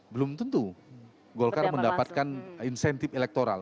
belum tentu golkar mendapatkan insentif elektoral